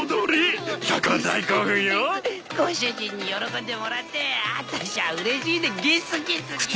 ご主人に喜んでもらってあたしゃうれしいでゲスゲスゲス。